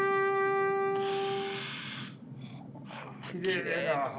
きれいな。